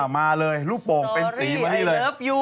มาเลยลูกโป่งเป็นสีไว้ให้เลย